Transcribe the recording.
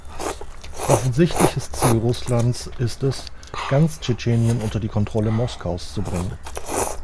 Offensichtliches Ziel Russlands ist es, ganz Tschetschenien unter die Kontrolle Moskaus zu bringen.